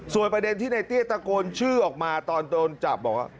ส่วนประเด็นที่ในเตี้ยตะโกนชื่อออกมาตอนโดนจับบอกว่า